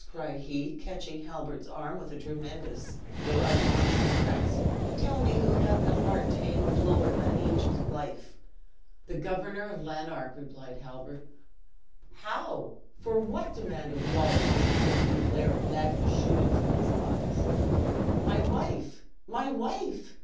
cried he, catching Halbert's arm with a tremendous though unconscious grasp; "tell me who had the heart to aim a blow at that angel's life?" "The Governor of Lanark," replied Halbert. "How? for what?" demanded Wallace, with the terrific glare of madness shooting from his eyes. "My wife! my wife!